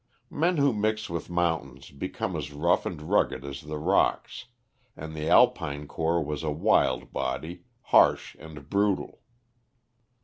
Men who mix with mountains become as rough and rugged as the rocks, and the Alpine Corps was a wild body, harsh and brutal.